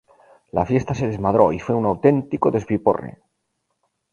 La fiesta se desmadró y fue un auténtico despiporre